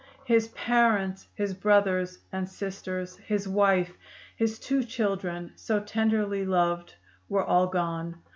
His parents, his brothers and sisters, his wife, his two children, so tenderly loved, were all gone.